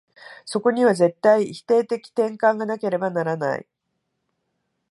そこには絶対否定的転換がなければならない。